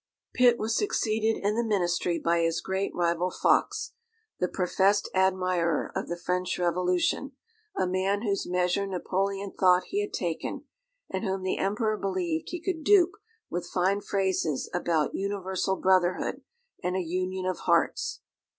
Pitt was succeeded in the Ministry by his great rival Fox, the professed admirer of the French Revolution, a man whose measure Napoleon thought he had taken, and whom the Emperor believed he could dupe with fine phrases about universal brotherhood and a union of hearts.